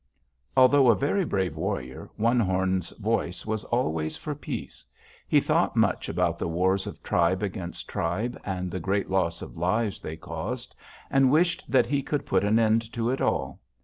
"Although a very brave warrior, One Horn's voice was always for peace. He thought much about the wars of tribe against tribe and the great loss of lives they caused, and wished that he could put an end to it all.